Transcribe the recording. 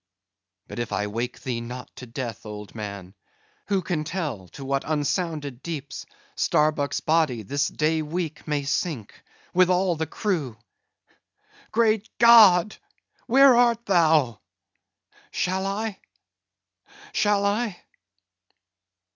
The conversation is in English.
—But if I wake thee not to death, old man, who can tell to what unsounded deeps Starbuck's body this day week may sink, with all the crew! Great God, where art Thou? Shall I? shall I?